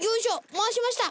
回しました。